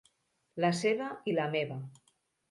La seva i la meva.